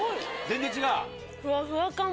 全然違う？